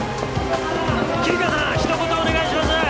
キリカさんひと言お願いします